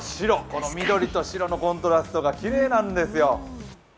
この緑と白のコントラストがきれいなんですよ。